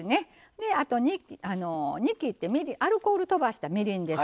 あと、煮きってアルコールとばした、みりんです。